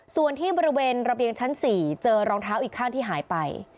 ส่วนที่บริเวณระเบียงชั้น๔เจอรองเท้าอีกข้างที่หายไป